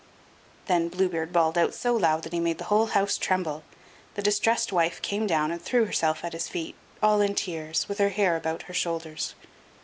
Then Blue Beard bawled out so loud that he made the whole house tremble. The distressed wife came down, and threw herself at his feet, all in tears, with her hair about her shoulders.